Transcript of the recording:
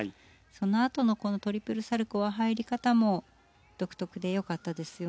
そのあとのこのトリプルサルコウは入り方も独特で良かったですよね。